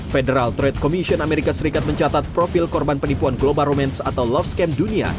federal trade commission amerika serikat mencatat profil korban penipuan global romans atau love scam dunia